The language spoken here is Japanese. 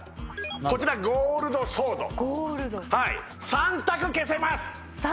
こちらゴールドソードゴールドはい３択消せます３！